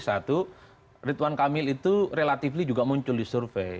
satu ridwan kamil itu relatifly juga muncul di survei